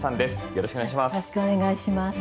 よろしくお願いします。